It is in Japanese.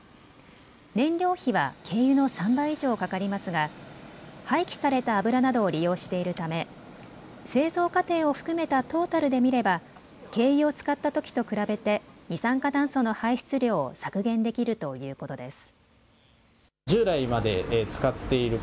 燃料費は軽油の３倍以上かかりますが廃棄された油などを利用しているため製造過程を含めたトータルで見れば軽油を使ったときと比べて二酸化炭素の排出量を削減できるということです。